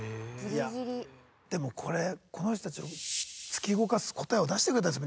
でもこれこの人たちを突き動かす答えを出してくれたんです。